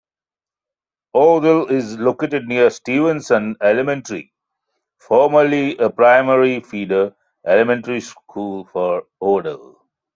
Odle is located near Stevenson Elementary, formerly a primary feeder elementary school for Odle.